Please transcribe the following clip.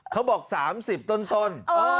เขาบอก๓๐ต้น